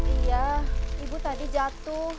iya ibu tadi jatuh